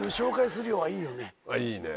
いいねぇ。